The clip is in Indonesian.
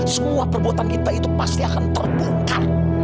semua perbuatan kita itu pasti akan terbongkar